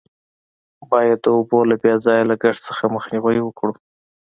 باید د اوبو له بې ځایه لگښت څخه مخنیوی وکړو.